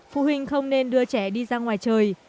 phụ huynh không nên đưa trẻ đi ra ngoài trời